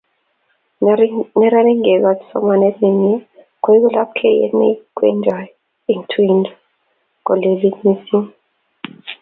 neranik ngekoch somanet neimei koeku lapkeiyet neikwengtoi eng tuindo kolelit missing